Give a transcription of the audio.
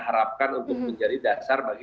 harapkan untuk menjadi dasar bagi